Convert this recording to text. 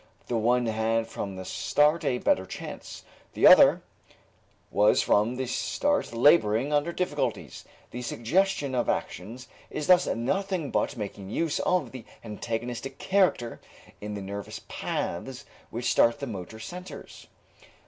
The one had from the start a better chance, the other was from the start laboring under difficulties. The suggestion of actions is thus nothing but making use of the antagonistic character in the nervous paths which start from the motor centers.